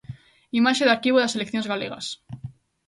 Imaxe de arquivo das seleccións galegas.